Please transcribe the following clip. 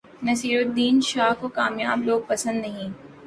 نصیرالدین شاہ کو کامیاب لوگ پسند نہیں